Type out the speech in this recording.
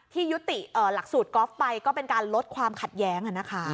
ที่ยุติหลักสูตรกอล์ฟไปก็เป็นการลดความขัดแย้ง